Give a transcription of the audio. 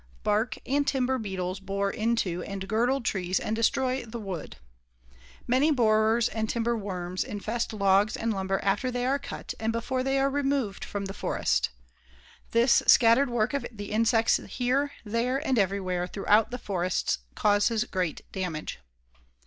Bark and timber beetles bore into and girdle trees and destroy the wood. Many borers and timber worms infest logs and lumber after they are cut and before they are removed from the forest. This scattered work of the insects here, there, and everywhere throughout the forests causes great damage.